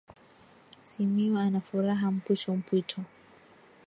Simiyu anafuraha mpwito mpwito